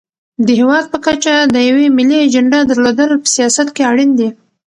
د هېواد په کچه د یوې ملي اجنډا درلودل په سیاست کې اړین دي.